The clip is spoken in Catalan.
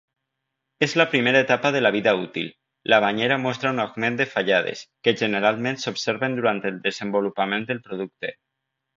En la primera etapa de la vida útil, la banyera mostra un augment de fallades, que generalment s'observen durant el desenvolupament del producte.